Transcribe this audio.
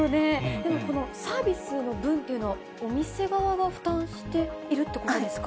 でも、このサービスの分というのは、お店側が負担しているってことですか？